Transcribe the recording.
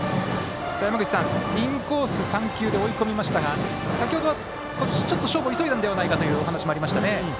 山口さん、インコース３球で追い込みましたが先ほどはちょっと勝負を急いだのではないかというお話もありましたね。